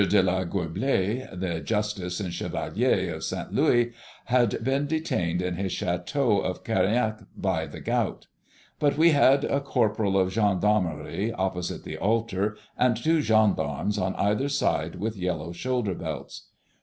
de la Goublaye, the justice and chevalier of Saint Louis, had been detained in his château of Keriennec by the gout. But we had a corporal of gendarmery opposite the altar and two gendarmes on either side with yellow shoulder belts.